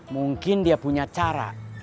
mungkin dia punya cara